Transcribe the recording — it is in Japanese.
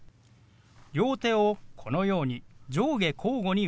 両手をこのように上下交互に動かします。